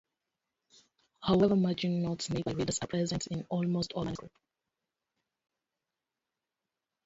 However, margin notes made by readers are present in almost all manuscripts.